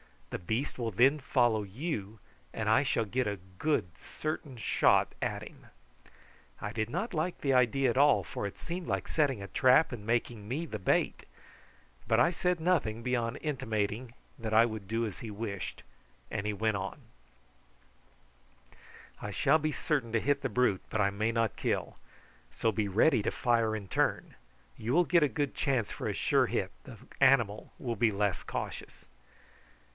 The beast will then follow you, and I shall get a good certain shot at him." I did not like the idea at all, for it seemed like setting a trap and making me the bait; but I said nothing beyond intimating that I would do as he wished, and he went on: "I shall be certain to hit the brute, but I may not kill, so be ready to fire in turn; you will get a good chance for a sure hit, the animal will be less cautious."